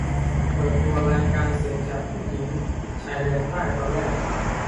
เปิดตัวรายการเสียงจากผู้หญิงชายแดนใต้ ตอนแรก